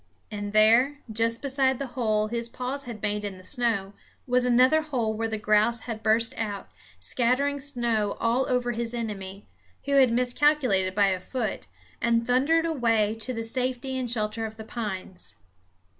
And there, just beside the hole his paws had made in the snow, was another hole where the grouse had burst out, scattering snow all over his enemy, who had miscalculated by a foot, and thundered away to the safety and shelter of the pines.